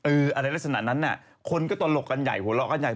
อะไรลักษณะนั้นน่ะคนก็ตลกกันใหญ่หัวเราะกันใหญ่